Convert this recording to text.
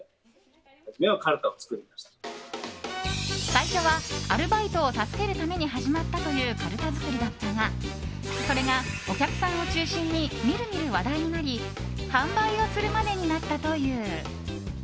最初はアルバイトを助けるために始まったというかるた作りだったがそれが、お客さんを中心にみるみる話題になり販売をするまでになったという。